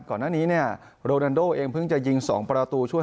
ก่อนหน้านี้เนี่ยโรนันโดเองเพิ่งจะยิง๒ประตูช่วย